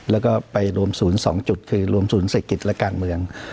แล้วก็ไปรวมศูนย์๒จุดคือรวมศูนย์เศรษฐกิจและการเมือง